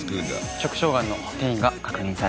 直腸癌の転移が確認されました。